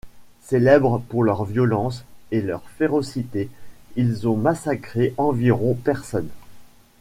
Célèbres pour leur violence et leur férocité, ils ont massacré environ personnes.